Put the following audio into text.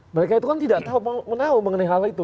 mereka itu kan tidak tahu mengenai hal itu